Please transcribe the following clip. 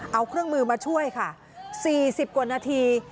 เอาเครื่องมือมาช่วยค่ะ๔๐กว่านาที